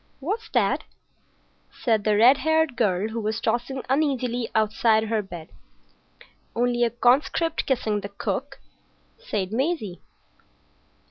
"What's that?" said the red haired girl, who was tossing uneasily outside her bed. "Only a conscript kissing the cook," said Maisie.